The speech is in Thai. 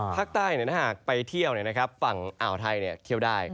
ภาคใต้ถ้าหากไปเที่ยวฝั่งอ่าวไทยเที่ยวได้